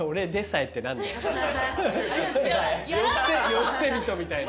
世捨て人みたいに。